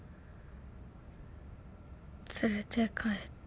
連れて帰って。